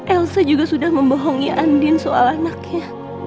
elsa juga sudah membohongi andin soal anaknya